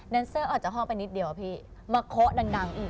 นเซอร์ออกจากห้องไปนิดเดียวพี่มาโคะดังอีก